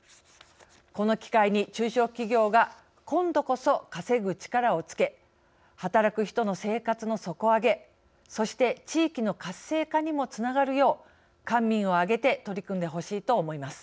この機会に、中小企業が今度こそ稼ぐ力をつけ働く人の生活の底上げ、そして地域の活性化にもつながるよう官民を挙げて取り組んでほしいと思います。